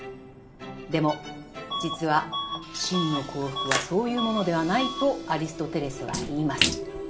でも実は「真の幸福」はそういうものではないとアリストテレスは言います。